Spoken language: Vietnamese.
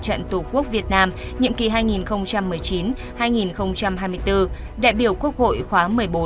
nhiệm kỳ hai nghìn một mươi chín hai nghìn hai mươi bốn đại biểu quốc hội khóa một mươi bốn